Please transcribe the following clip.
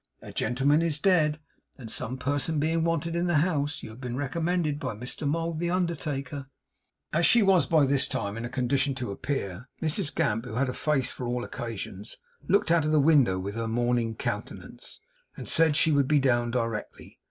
A gentleman is dead; and some person being wanted in the house, you have been recommended by Mr Mould the undertaker.' As she was by this time in a condition to appear, Mrs Gamp, who had a face for all occasions, looked out of the window with her mourning countenance, and said she would be down directly.